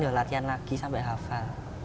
udah latihan lagi sampai hafal